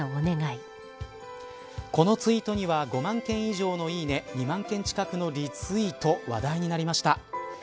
このツイートには５万件以上のいいね２万のリツイート話題になりました。